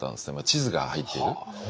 地図が入っている。